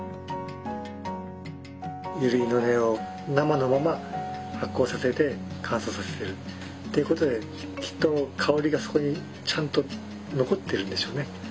ユリの根を生のまま発酵させて乾燥させてるっていうことできっと香りがそこにちゃんと残ってるんでしょうね。